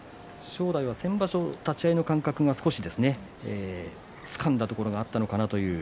正代は立ち合いの感覚が、少しつかんだところがあったのかなという。